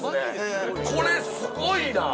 これすごいな。